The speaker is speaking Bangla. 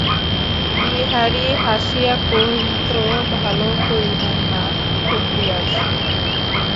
বিহারী হাসিয়া কহিত, ভালো করি নাই মা, ঠকিয়াছি।